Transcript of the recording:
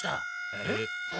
えっ？